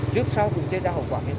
trước sau cũng sẽ ra hậu quả ngay cả